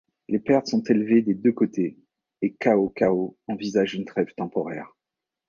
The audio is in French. Les pertes sont élevées des deux côtés et Cao Cao envisage une trêve temporaire.